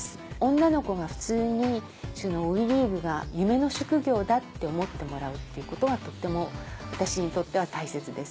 女の子が普通にＷＥリーグが夢の職業だって思ってもらうっていうことがとっても私にとっては大切です。